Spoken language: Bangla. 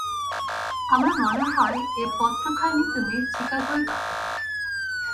আমার মনে হয়, এ পত্রখানি তুমি চিকাগোয় পাবে।